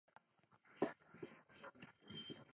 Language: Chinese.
该公司独立拥有北京定陵机场。